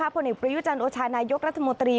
ผลเอกประยุจันทร์โอชานายกรัฐมนตรี